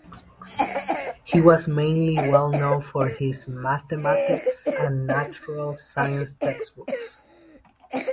He was mainly well known for his mathematics and natural science textbooks.